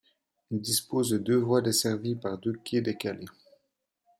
Elle dispose de deux voies desservies par deux quais décalés.